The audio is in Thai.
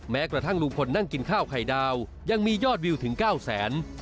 แม้กระทั่งลุงพลนั่งกินข้าวไข่ดาวยังมียอดวิวถึง๙แสน